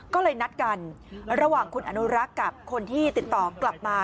ก็เลยนัดกันระหว่างคุณอนุรักษ์กับคนที่ติดต่อกลับมา